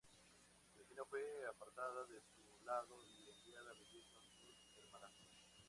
Cristina fue apartada de su lado y enviada a vivir con sus hermanastros.